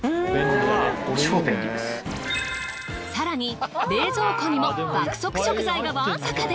更に冷蔵庫にも爆速食材がわんさかで。